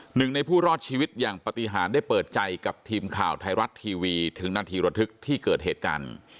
หนึ่งในผู้รอดชีวิตอย่างปฏิหารได้เปิดใจกับทีมข่าวไทยรัฐทีวีถึงนาทีระทึกที่เกิดเหตุการณ์